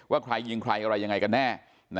ว่าใครยิงใครอะไรยังไงกันแน่